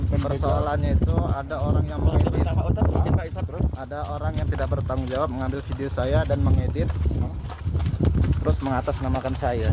persoalannya itu ada orang yang mengambil terus ada orang yang tidak bertanggung jawab mengambil video saya dan mengedit terus mengatasnamakan saya